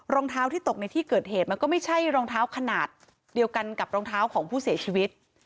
รองเท้าที่ตกในที่เกิดเหตุมันก็ไม่ใช่รองเท้าขนาดเดียวกันกับรองเท้าของผู้เสียชีวิต